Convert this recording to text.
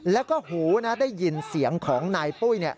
แล้วก็หูได้ยินเสียงของนายปุ้ย